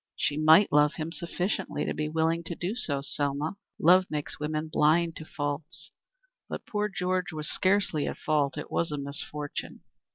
"She might love him sufficiently to be willing to do so, Selma. Love makes women blind to faults. But poor George was scarcely at fault. It was a misfortune."